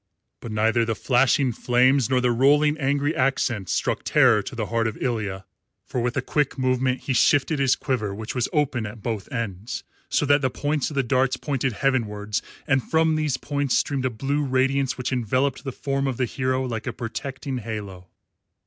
But neither the flashing flames nor the rolling angry accents struck terror to the heart of Ilya, for with a quick movement he shifted his quiver, which was open at both ends, so that the points of the darts pointed heavenwards, and from these points streamed a blue radiance which enveloped the form of the hero like a protecting halo.